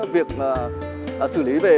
việc xử lý về